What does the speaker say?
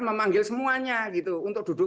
memanggil semuanya gitu untuk duduk